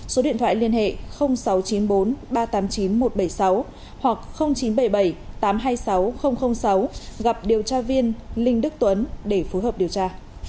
số điện thoại liên hệ sáu trăm chín mươi bốn ba trăm tám mươi chín một trăm bảy mươi sáu hoặc chín trăm bảy mươi bảy tám trăm hai mươi sáu sáu gặp điều tra viên linh đức tuấn để phối hợp điều tra